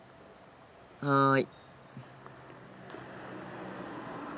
はい。